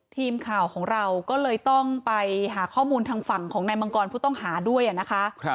ทีมข่าวของเราก็เลยต้องไปหาข้อมูลทางฝั่งของนายมังกรผู้ต้องหาด้วยนะคะ